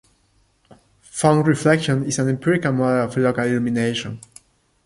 Phong reflection is an empirical model of local illumination.